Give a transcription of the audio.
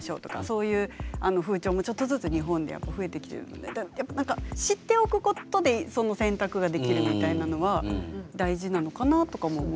そういう風潮もちょっとずつ日本で増えてきてるので何か知っておくことでその選択ができるみたいなのは大事なのかなとかも思う。